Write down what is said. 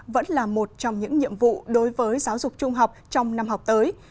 vẫn là một trong những nhiệm vụ đối với giáo dục trung học trong năm học tới